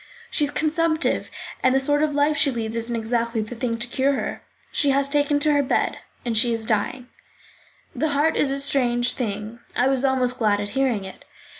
"She is consumptive, and the sort of life she leads isn't exactly the thing to cure her. She has taken to her bed; she is dying." The heart is a strange thing; I was almost glad at hearing it.